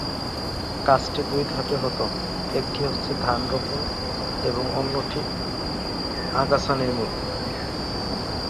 কাজটি দুই ধাপে হত একটি হচ্ছে "ধান রোপণ" এবং অন্যটি "আগাছা নির্মূল"।